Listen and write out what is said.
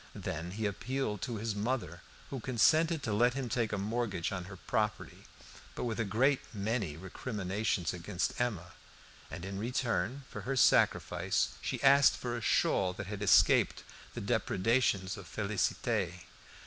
Then he appealed to his mother, who consented to let him take a mortgage on her property, but with a great many recriminations against Emma; and in return for her sacrifice she asked for a shawl that had escaped the depredations of Félicité.